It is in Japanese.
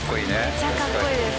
めっちゃかっこいいです。